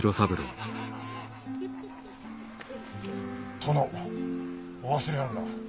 殿お忘れあるな。